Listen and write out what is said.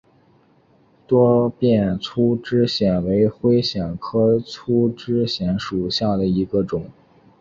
多变粗枝藓为灰藓科粗枝藓属下的一个种。